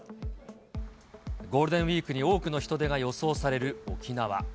ゴールデンウィークに多くの人出が予想される沖縄。